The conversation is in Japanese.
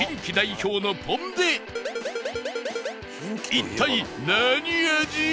一体何味？